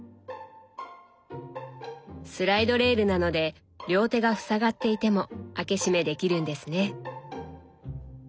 スライドレールなので両手がふさがっていても開け閉めできるんですね。